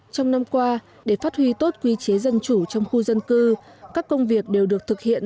trong năm qua để phát huy tốt quy chế dân chủ trong khu dân cư các công việc đều được thực hiện